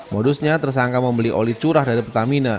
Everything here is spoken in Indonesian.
modusnya tersangka membeli oli curah dari pertamina